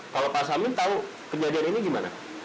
kalau pak samin tahu kejadian ini gimana